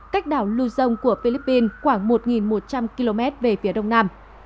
cách đảo luzon của philippines khoảng một một trăm linh km về phía đông nam